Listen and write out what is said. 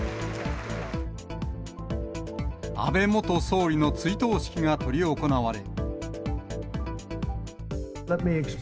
安倍元総理の追悼式が執り行われ。